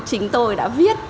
chính tôi đã viết